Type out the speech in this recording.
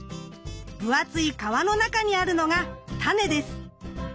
分厚い皮の中にあるのが種です。